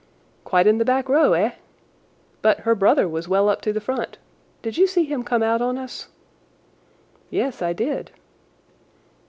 "Quite in the back row, eh? But her brother was well up to the front. Did you see him come out on us?" "Yes, I did."